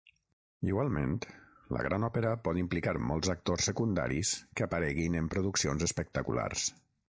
Igualment, la gran òpera pot implicar molts actors secundaris que apareguin en produccions espectaculars.